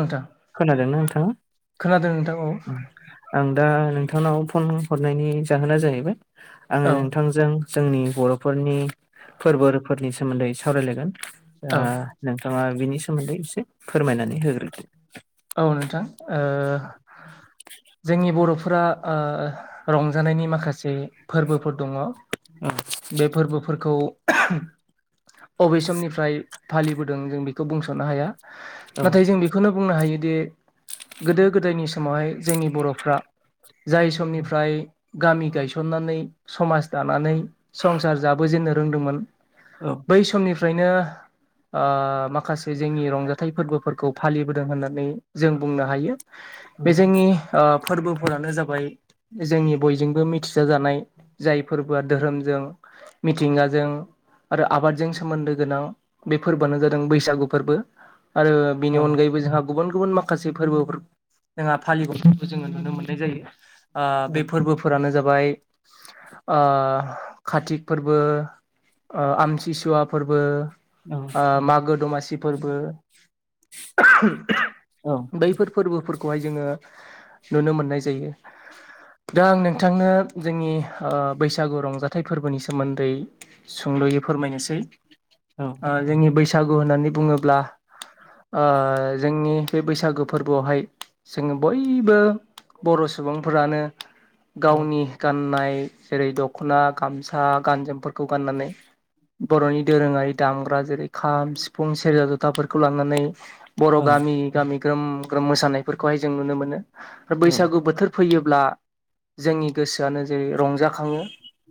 नोंथां खोनादोंना नोंथाङा? खोनादों नोंथां औ आं दा नोंथांनाव फन हरनायनि जाहोना जाहैबाय आङो औ नोंथां जों जोंनि बर'फोरनि फोरबोफोरनि सोमोन्दै सावरायलायगोन। औ ओ नोंथाङा बिनि सोमोन्दै एसे फोरमायनानै होग्रोदो। औ नोंथां ओ जोंनि बर'फोरा ओ रंजानायनि माखासे फोरबोफोर दङ औ बे फोरबोफोरखौ अबे समनिफ्राय फालिबोदों जों बेखौ बुंस'नो हाया। औ नाथाय जों बेखौनो बुंनो हायोदि गोदो गोदायनि समावहाय जोंनि बर'फ्रा। जाय समनिफ्राय गामि गायसननानै समाज दानानै संसार जाबोजेननो रोंदोंमोन औ बै समनिफ्रायनो ओ माखासे जोंनि रंजाथाइ फोरबोफोरखौ फालिबोदों होननानै जों बुंनो हायो। बे जोंनि ओ फोरबोफोरानो जाबाय जोंनि बयजोंबो मिथ थिया जानाय जाय फोरबोआ धोरोमजों, मिथिंगाजों आरो आबादजों सोमोन्दो गोनां, बे फोरबोआनो जादों बैसागु फोरबो। आरो औ बिनि अनगायैबो जोंहा गुबुन गुबुन माखासे फोरबोफोर जोंहा फालि [inaudible] जोङो नुनो मोननाय जायो। ओ बे फोरबोफोरानो जाबाय ओ कार्थिख फोरबो ओ आमथिसुवा फोरबो औ ओ मागो दमासि फोरबो। औ बैफोर फोरबोफोरखौहाय जोङो नुनो मोननाय जायो। दा आं नोंथांनो जोंनि ओ बैसागु रंजाथाइ फोरबोनि सोमोन्दै सुंद'यै फोरमायनोसै। औ। ओ जोंनि बैसागु होननानै बुङोब्ला ओ जोंनि बे बैसागो फोरबोआवहाय जोङो बयबो बर' सुबुंफोरानो औ गावनि गाननाय जेरै दख'ना गामसा गानजोमफोरखौ गाननानै बर'नि दोरोङारि दामग्रा जेरै खाम, सिफुं, सेरजा जथाफोरखौ लानानै बर' औ गामि गामि ग्रोम ग्रोम मोसानायफोरखौहाय जों नुनो मोनो। ओ औ बैसागु बोथोर फैयोब्ला जोंनि गोसोआनो जेरै रंजाखाङो।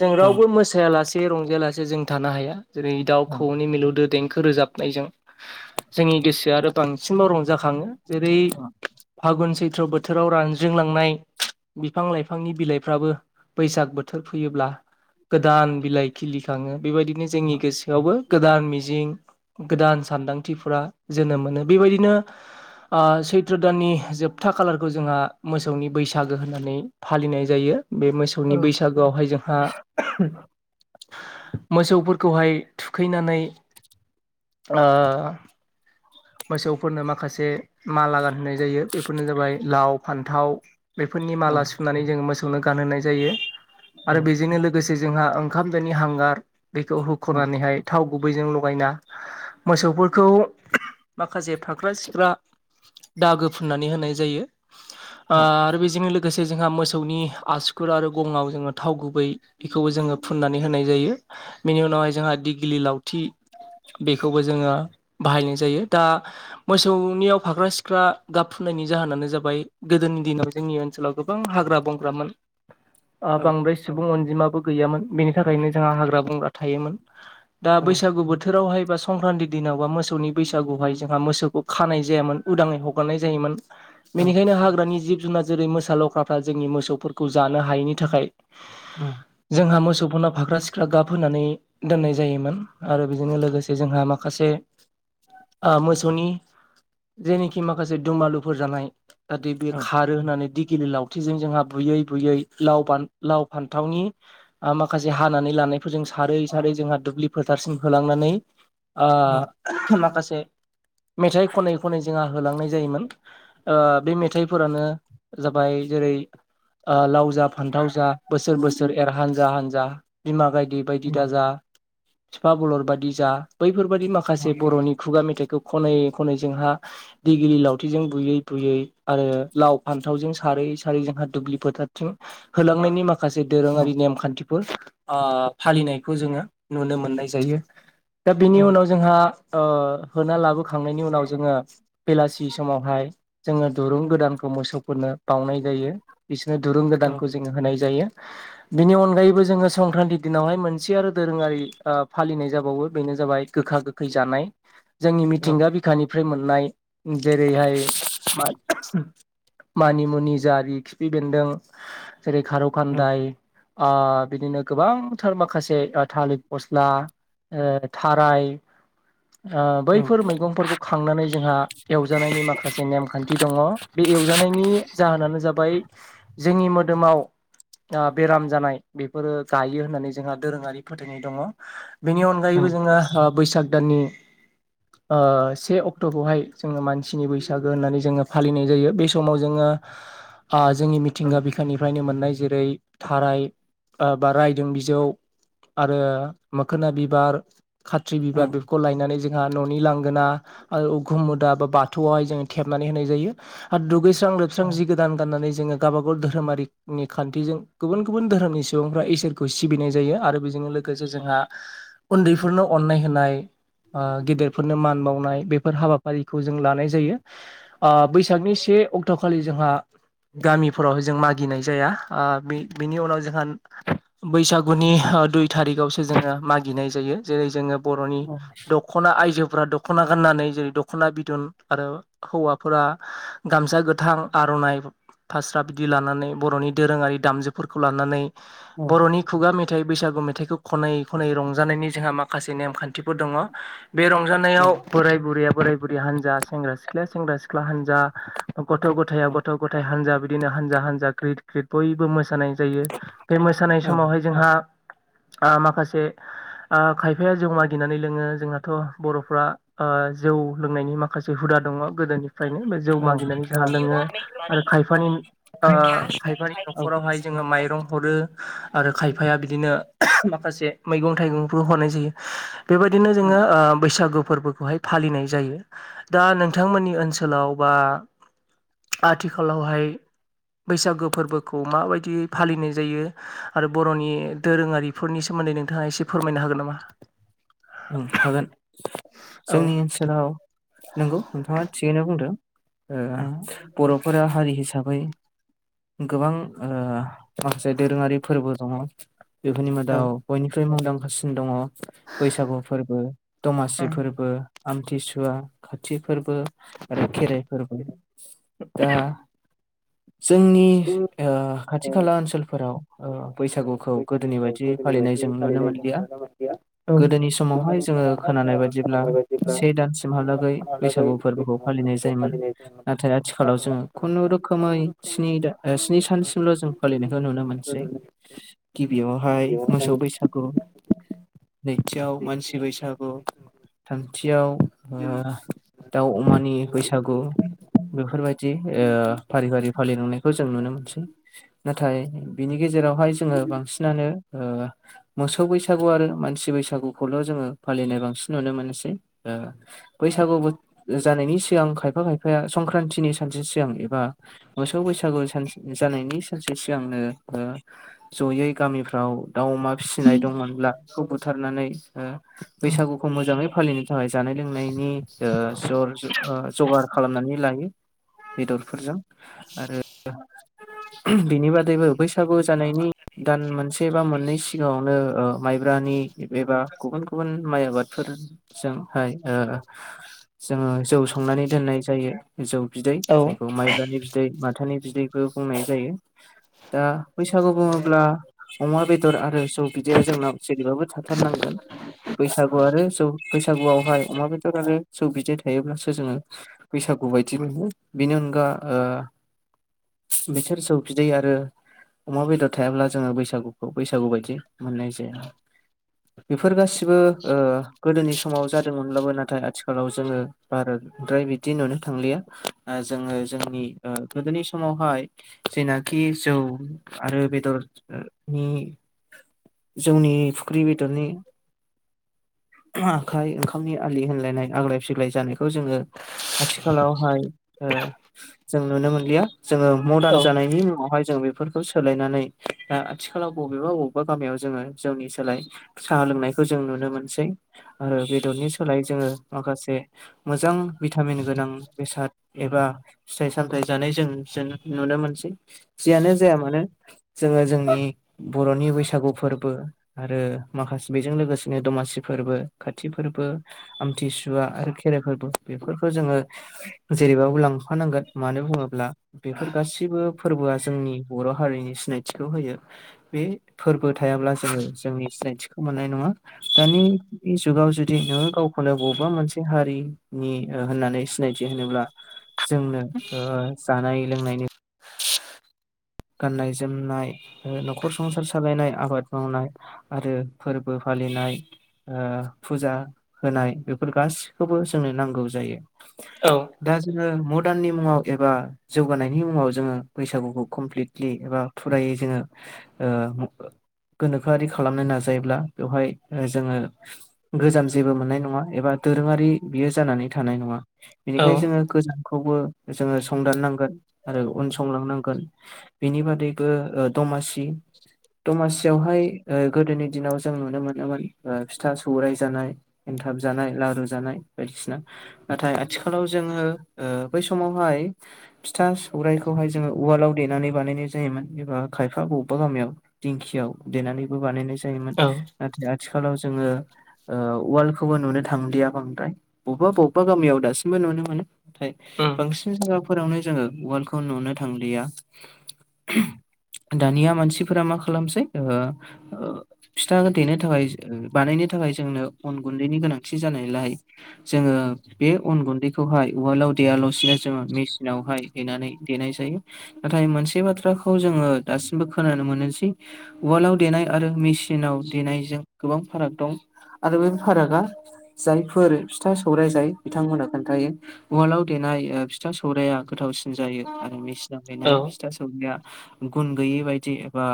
जों रावबो मोसायालासे एसे रंजालासे जों थानो हाया। जेरै दाउ खौवौनि मिलौदो देंखो रोजाब नायजों जोंनि गोसोआ आरो बां जाखाङो जेरै फागुन सैथ्र' बोथोराव रानज्रिंलांनाय बिफां लाइफांनि बिलाइफ्राबो बैसाग बोथोर फैयोब्ला गोदान बिलाइ खिलिखाङो बिबायदिनो जोंनि गोसोआवबो गोदान मिजिं गोदान सानदां थिफोरा जोनोम मोनो बेबायदिनो ओ सैथ्र दाननि जोबथा खालारखौ जोंहा मोसौनि बैसागो होननानै फालिनाय जायो। बे मोसौनि बैसा गोआवहाय जोंहा मोसौफोरखौहाय थुखैनानै ओ मोसौफोरनो माखासे माला गानहोनाय जायो बेफोरनो जाबाय लाव, फान्थाव। बेफोरनि माला सुनानै जोङो मोसौनो गानहोनाय जायो आरो बेजोंनो लो गोसे जोंहा ओंखाम दोनि हांगार बेखौ हुख'नानैहाय थाव गुबैजों लगायना मोसौफोरखौ माखासे फाख्रा सिख्रा दागो फुननानै होनाय जायो। ओ आरो बेजोंनो लोगोसे जोंहा मोसौनि आसुगुर आरो गंआव जोङो थाव गुबै बेखौबो जोङो फुननानै होनाय जायो। बेनि उनावहाय जोंहा दिगिलि लावथि बेखौबो जोङो बाहायनाय जायो। दा मोसौनियाव फाख्रा सिख्रा गाब फुननायनि जाहोनानो जाबाय गोदोनि दिनाव जोंनि ओनसोलाव गोबां हाग्रा बंग्रामोन ओ बांद्राय सुबुं अनजिमाबो गैयामोन बेनि थाखायनो जोंहा हाग्रा बंग्रा थायोमोन दा बैसागु बोथ थोरावहाय बा संक्रान्ति दिनाव बा मोसौनि बैसागुहाय जोंहा मोसौ उ खानाय जायामोन उदाङै हगारनाय जायोमोन बेनिखायनो हाग्रानि जिब जुनाज जेरै मोसा लख्राफ्रा जोंनि मोसौफोरखौ जानो हायैनि थाखाय औ जोंहा मोसौखौनो फाख्रा सिख्रा गाब होनानै दोननाय जायोमोन। आरो बेजोंनो लोगोसे जोंहा माखासे ओ मोसौनि जेनेखि माखासे दुमालुफोर जानाय ओ दै बे खार रो होनानै दिगिलि लावथिजों जोंहा बुयै बुयै लाव फान लाव फान्थावनि ओ माखासे हानानै लानायफोरजों सारै सारै जोंहा दुब्लि फोथारसिम होलांनानै ओ माखासे मेथाइ खनै खनै जों बा होलांनाय जायोमोन ओ बे मेथाइफोरानो जाबाय जेरै ओ लाव जा फान्थाव जा बोसोर बोसोर एर हान जा हान्जा बिमा गायदे बायदि दाजा फिफा बलर बादि जा बैफोरबादि माख खासे बर'नि खुगा मेथाइखौ खनै खनै जोंहा दैगिलि लावथिजों बुयै बुयै आरो लाव फान्थावजों सारै सारै जोंहा दुब्लि फोथारथिं होलांनायनि माखासे दोरोङारि नेमखान्थिफोर ओ फालिनायखौ जोङो नुनो मोननाय जायो दा बेनि उनाव जोंहा ओ ओ होना लाबोखांनायनि उनाव जोङो बेलासि समावहाय जोङो दुरुं गोदानखौ मोसौफोरनो बावनाय जायो बिसोरनो दुरुं गोदानखौ जों नो होनाय जायो बिनि अनगायैबो जोङो संक्रान्ति दिनावहाय मोनसे आरो दोरोङारि ओ फालिनाय जाबावो बेनो जाबाय गोखा गोखै जानाय। जोंनि मिथिंगा बिखानिफ्राय मोननाय जेरैहाय मा [unintelligible] मानिमुनि, जारि, खिफि बेन्दों जेरै खारौ खान्दाय ओ बिदिनो गोबांथार माखासे ओ थालिर फस्ला ओ थाराय ओ बैफोर मैगंफोरखौ खांनानै जोंहा एवजानायनि माखासे नेमखान्थि दङ बे एवजानायनि जाहोनानो जाबाय जोंनि मोदोमाव ओ बेराम जानाय बेफोरो गायो होननानै जोंहा दोरोङारि फोथायनाय दङ। बेनि औ अनगायैबो जोङो ओ बैसाग दाननि ओ से अक्ट'खौहाय जोङो मानसिनि बैसागो होननानै जोङो फालिनाय जायो बे समाव जोङो [inaudible] ओ जोंनि औ मिथिंगा बिखानिफ्रायनो मोननाय जेरै थाराय ओ बा रायदों बिजौ आरो मोखोना बिबार खाथ्रि औ बिबार बेफोरखौ लायनानै जों हा न'नि लांगोना आरो उखुम अदाब बा बाथौआवहाय जोङो थेबनानै होनाय जायो। आद दुगैस्रां लोबस्रां औ जि गोदान गाननानै जोङो गावबा गाव धोरोमारिनि खान्थिजों गुबुन गुबुन धोरोमनि सुबुंफ्रा इसोरखौ सिबिनाय जायो आरो बेजोंनो लोग गोजो जोंहा उन्दैफोरनो अननाय होनाय ओ गेदेरफोरनो मान बावनाय बेफोर हाबाफारिखौ जों लानाय जायो। ओ बैसागनि से अक्ट'खालि जोंहा गामिफोरावहाय जों मागिनाय जाया। ओ बे-बेनि उनाव जोंहान बैसागुनि ओ दुइ थारिखआवसो जोङो मागिनाय जायो जेरै जोङो बर'नि औ दख'ना आइजोफोरा दख'ना गाननानै जेरै दख'ना बिदन आरो हौवाफोरा गामसा गोथां आर'नाइ फास्रा बिदि लानानै बर'नि दोरोङारि दामजुफोरखौ लानानै औ बर'नि खुगा मेथ थाइ बैसागु मेथाइखौ खनै खनै रंजानायनि जोंहा माखासे नेमखान्थिफोर दङ। बे औ रंजानायाव बोराय बुरैया बोराय बुरै हानजा सेंग्रा सिख्लाया सेंग्रा सिख्ला हानजा ओ गथ' गथायआ औ गथ' गथाय हानजा बिदिनो हानजा हानजा ग्रिद ग्रिद बयबो मोसानाय जायो बे मोसानाय समावहाय जोंहा ओ माखासे ओ खायफाया जौ मागिनानै लोङो। जोंहाथ' बर'फ्रा ओ जौ लोंनायनि माखासे हुदा दङ गोदोनि फ्रायनो बे जौ औ मागिनानै जोंहा लोङो आरो खायफानि ओ खायफानि न'खरावहाय जोङो माइरं हरो आरो खायफाया बिदिनो माखासे मैगं-थाइगंफोर हरनाय जायो। बेबायदिनो जोङो ओ ओ बैसागु फोरबोखौहाय फालिनाय जायो दा नोंथांमोननि ओनसोलाव बा आथिखालावहाय बैसागो फोरबोखौ माबायदियै फालिनाय जायो आरो बर'नि दोरोङारिफोरनि सोमोन्दै नोंथाङा एसे फोरमायनो हागोन नामा? उम हागोन औ जोंनि ओनसोलाव नंगौ नोंथाङा थिगैनो बुंदों। ओ उम बर'फोरा हारि हिसाबै गोबां ओ माखासे दोरोङारि फोरबो दङ बेफोरनि औ मादाव बयनिख्रुइ मुंदांखासिन दङ बैसागु फोरबो, दमासि फोरबो आमथिसुवा, खाथि फोरबो आरो खेराइ फोरबो दा जोंनि उम ओ खाथि खाला ओनसोलफोराव ओ बैसागुखौ गोदोनि बैसागुखौ बायदि गोदोनि फालिनाय बायदि जों नुनो फालिनाय मोनलिया। [unintelligible] गोदोनि समावहाय गोदोनि जोङो समावहाय जों खोनानाय बायदिब्ला खोनानाय बायदिब्ला से स्नि दानसिमहालागै दानसिमहालागै बैसागु फोरबोखौ फालिनाय जायोमोन [unintelligible] नाथाय आथिखालाव नाथाय जोङो आथिखालाव जों खुनुरुखोमै खुनु स्नि रोखोमै दा स्नि दान सानसिमल' जों सानसिमल' फालिनायखौ जों नुनो फालिनायखौ मोनसै गिबियावहाय मोसौ बैसागु। नैथियाव मानसि बैसागु। थामथियाव ओ दाउ अमानि बैसागु गिबियावहाय बेफोरबायदि औ ओ फारि-फारि फालिलांनायखौ जों नुनो मोनसै नाथाय बिनि गेजेरावहाय जोङो बांसिनानो ओ मोसौ बैसागु आरो मान सि बैसागुखौल' जोङो फालिनाय बांसिन नुनो मोनसै ओ बैसागु बो-जानायनि सिगां खायफा-खायफाया संक्रान्तिनि सानसे सिगां एबा मोसौ बैसागु सानसे जानायनि सानसे सिगांनो ओ जयै गामिफ्राव दाउ अमा फिसिनाय दंमोनब्ला बेखौ बुथारनानै ओ बैसागुखौ मोजाङै फालि थाखाय जानाय लोंनायनि ओ जर ओ जगार खालामनानै लायो। बेदरफोरजों आरो बिनि बादैबो बैसागु जानायनि दान मोनसे बा मोननै सिगाङावनो ओ माइब्रानि एबा गुबुन-गुबुन माइ आबादफोरजोंहाय ओ जोङो जौ संनानै दोननाय जायो जौ बिदै जायखौ माइब्रानि बि दै माथानि बिदैबो बुंनाय जायो। दा बैसागु बुङोब्ला अमा बेदर आरो जौ बिदैया जोंनाव जेरैबाबो था थारनांगोन बैसागु आरो जौ बैसागुआवहाय अमा बेदर आरो जौ बिदै थायोब्लासो जोङो बैसागु बायदि मोनो बेनि अनगा ओ बिथोर जौ बिदै आरो अमा बेदर थायाब्ला जोङो बैसागुखौ बैसागु बायदि मोननाय जाया। बेफोर गासिबो ओ गोदोनि स समाव जादोंमोनब्लाबो नाथाय आथिखालाव जोङो बाराद्राय बिदि नुनो थांलिया। ओ जोङो जोंनि ओ गोदोनि समावहाय जेनाखि जौ आरो बेदरनि जौनि फुख्रि बेदरनि आखाइ ओंखामनि आलि होनलायनाय आग्लाय फिग्लाय जानायखौ जोङो आथिखालावहाय ओ जों नुनो मोनलिया जोङो मदार्न जानायनि मुङावहाय जों बेफोर खौ सोलायनानै आथिखालाव बबेबा बबेबा गामियाव जोङो जोंनि। सोलाय साहा लोंनायखौ जों नुनो मोनसै आरो बेदरनि सोलाय जोङो माखासे मोजां भिटामिन गोनां बेसाद एबा। फिथाइ सामथाय जानाय जों जों नुनो मोनसै जियानो जाया मानो। जोङो जोंनि बर'नि बैसागु फोरबो आरो माखासे बेजों लोगोसेनो दमासि फोरबो खाथि फोरबो। आमथिसुवा आरो खेराइफोरबो बेफोरखौ जोङो। जेरैबाबो लांफानांगोन मानो बुङोब्ला बेफोर गासिबो फोरबोआ जोंनि बर' हारिनि सिनायथिखौ होयो। बे फोरबो थायाब्ला जोङो जोंनि सिनायथिखौ मोननाय नङा। दानि जुगाव जुदि नोङो गावखौनो बबेबा मोनसे हारिनि ओ होननानै सिनायथि होनोब्ला जोंनो ओ जानाय लोंनायनि गाननाय जोमनाय न'खर संसार सालायनाय आबाद मावनाय आरो फोरबो फालिनाय। फुजा होनाय बेफोर गासिखौबो जोंनो नांगौ जायो। औ दा जोङो मदार्ननि मुङाव एबा जौगानायनि मुङाव जोङो बैसागुखौ कमप्लिट। फालि एबा फुरायै जोङो ओ गोनोखोआरि खालामनो नाजायोब्ला बेवहाय जोङो। गोजाम जेबो मोननाय नङा एबा दोरोङारि बियो जानानै थानाय नङा औ बेनिखायनो जोङो। गोजानखौबो जोङो संदाननांगोन आरो उन संलांनांगोन। बिनि बादैबो दमासि। दमासियावहाय गोदोनि दिनाव जों नुनो मोनोमोन फिथा सौराय जानाय। एनथाब जानाय लारु जानाय बायदिसिना। नाथाय आथिखालाव जोङो बै समावहाय फिथा सौरायाइखौहाय जोङो उवालाव देनानै बानायनाय जायोमोन एबा खायफा बबेबा गामियाव दिंखियाव देनानैबो बानायनाय जायोमोन। औ नाथाय आथिखालाव जोङो उवायखौबो नुनो थांदिया बांद्राय। बबेबा बबेबा गामियाव दासिमबो नुनो मोनो नाथाय उम बांसिन जायगाफोरावनो जोङो उवालखौ नुनो थांलिया दानिया मानसिफोरा मा खालामसै फिथा देनो थाखाय बानायनो थाखाय जोंनो अन गुन्दैनि गोनांथि जानायलाय। जोंङो बे अन गुन्दैखौहाय उवालाव देयालासिनो जोङो मेसिनावहाय हैेनानै देनाय जायो। नाथाय मोनसे बाथ्राखौ जोङो दासिमबो खोनानो मोनोसै। उवालाव देनाय आरो मेसिनाव देनायजों गोबां फाराग दं आरो बे फारागा। जायफोर फिथा सौराय जायो बिथांमोना खोन्थायो। ववालआव देनाय फिथा सौराया गोथावसिन जायो आरोखि। औ देनाय फिथा सौराया गुन गैयै बायदि एबा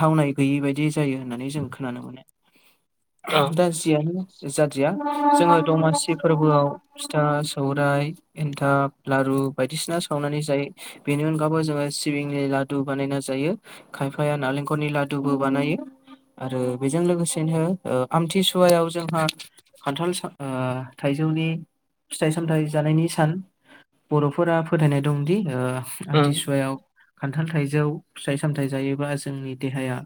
थावनाय गैयै बायदि जायो होननानै जों खोनानो मोनो। औ दा जियानो जादिया जोङो दमासि फोरबोआव। फिथा सौराय एन्थाब लारु बायदिसिना सावनानै जायो। बेनि अनगैबो जोङो सिबिंनि लादु बानायना जायो। खायफाया नालेंखलनि लादुबो बानायो। आरो बेजों लोगोसेनो आमथिसुवायाव जोंहा खान्थाल सा ओ थाइजौनि फिथाइ-सामथाइ जानायनि सान। बर'फोरा फोथायनाय दंदि ओ उम आमथिसुवायाव खान्थाल थाइजौ फिथाइ सामथाइ जायोबा जोंनि देहाया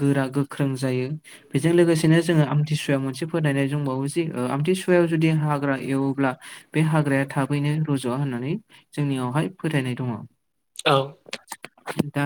गोरा गोख्रों जायो। बेजों लोगोसेनो जोङो आमथिसुवायाव मोनसे फोथायनाय दंबावो जे ओ आमथिसुवायाव जुदि हाग्रा एवोब्ला बे हाग्राया थाबैनो रज'वा होननानै जोंनियावहाय फोथायनाय दङ। औ। [unintelligible]